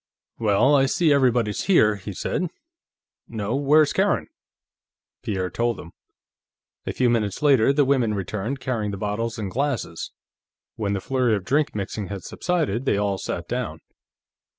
"Well, I see everybody's here," he said. "No; where's Karen?" Pierre told him. A few minutes later the women returned, carrying bottles and glasses; when the flurry of drink mixing had subsided, they all sat down.